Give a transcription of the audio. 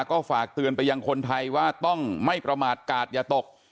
ก็ฝากเตือนไปยังคนไทยว่าต้องไม่ประมาทกาดอย่าตก